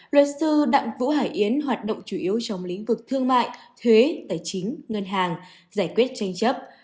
luật sư đặng vũ hải yến hoạt động chủ yếu trong lĩnh vực thương mại thuế tài chính ngân hàng giải quyết tranh chấp